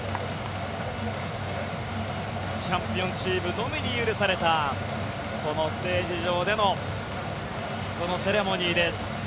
チャンピオンチームのみに許されたこのステージ上でのこのセレモニーです。